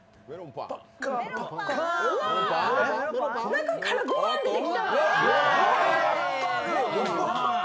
中からごはん、出てきた。